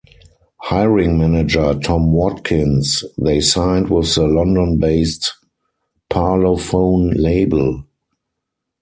Hiring manager Tom Watkins, they signed with the London-based Parlophone label.